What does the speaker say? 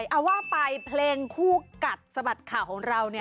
เอาว่าไปเพลงคู่กัดสะบัดข่าวของเราเนี่ย